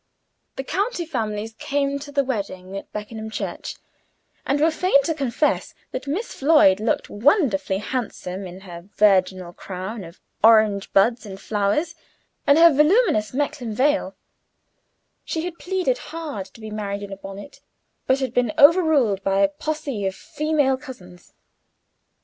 The county families came to the wedding at Beckenham church, and were fain to confess that Miss Floyd looked wondrously handsome in her virginal crown of orange buds and flowers, and her voluminous Mechlin veil; she had pleaded hard to be married in a bonnet, but had been overruled by a posse of female cousins.